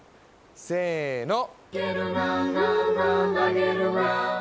せの。